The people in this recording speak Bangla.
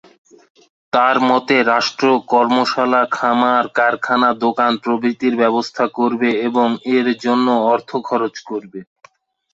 তার মতে রাষ্ট্র কর্মশালা খামার কারখানা দোকান প্রভৃতির ব্যবস্থা করবে এবং এর জন্য অর্থ খরচ করবে।